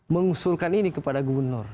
mengusulkan ini kepada gubernur